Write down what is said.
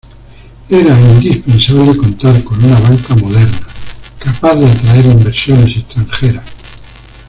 Era indispensable contar con una banca moderna, capaz de atraer inversiones extranjeras.